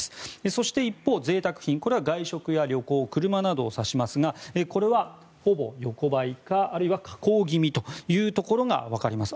そして、ぜいたく品これは外食や旅行、車などを指しますがこれはほぼ横ばいかあるいは下降気味というところがわかります。